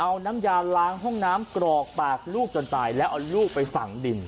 เอาน้ำยาล้างห้องน้ำกรอกปากลูกจนตายแล้วเอาลูกไปฝังดิน